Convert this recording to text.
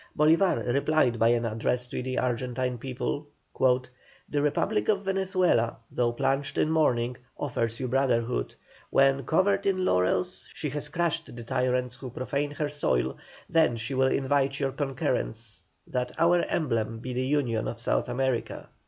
Bolívar replied by an address to the Argentine people: "The Republic of Venezuela, though plunged in mourning, offers you brotherhood. When, covered with laurels, she has crushed the tyrants who profane her soil, then she will invite your concurrence, that our emblem be the UNION of South America."